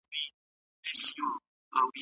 د هغوی میرمنې بې مخپټونې په کوڅو کې روانې وې.